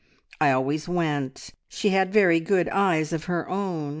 I always went she had very good eyes of her own!